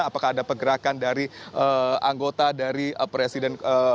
apakah ada pergerakan dari anggota dari presiden